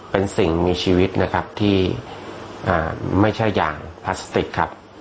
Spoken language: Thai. เป็นสิ่งมีชีวิตนะครับที่ไม่ใช่ยางพลาสติกครับ